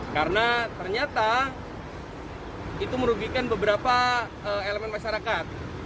karena ternyata itu merugikan beberapa elemen masyarakat